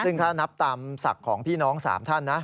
ซึ่งถ้านับตามศักดิ์ของพี่น้อง๓ท่านนะ